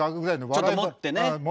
ちょっと盛ってね。